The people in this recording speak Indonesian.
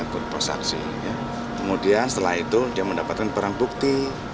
kemudian setelah itu dia mendapatkan barang bukti